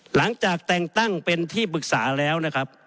หลังจากแต่งตั้งเป็นที่ปรึกษาแล้วนะครับ